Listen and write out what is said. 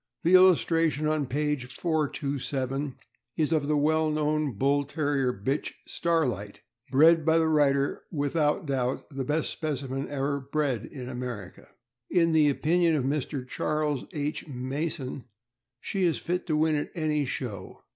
The illustration on page 427 is of the well known Bull Terrier bitch Starlight, bred by the writer, without doubt the best specimen ever bred in America. In the opinion of Mr. Charles H. Mason, she is n't to win at any show.